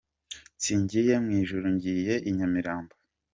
Singiye mu Ijuru ngiye i Nyamirambo